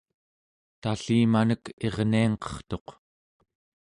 tallimanek irniangqertuq